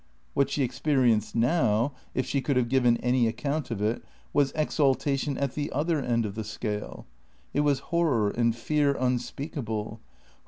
What she experienced now (if she could have given any account of it) was exaltation at the other end of the scale. It was horror and fear unspeakable.